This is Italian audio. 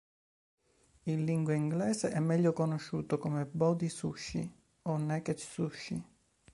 In lingua inglese è meglio conosciuto come "body sushi" o "naked sushi".